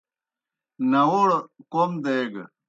ناؤڑ کوْم دیگہ۔